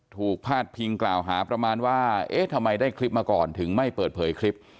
พาดพิงกล่าวหาประมาณว่าเอ๊ะทำไมได้คลิปมาก่อนถึงไม่เปิดเผยคลิป